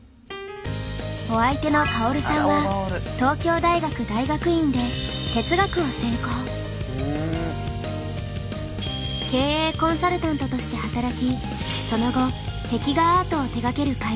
お相手の薫さんは東京大学大学院で経営コンサルタントとして働きその後壁画アートを手がける会社に転職。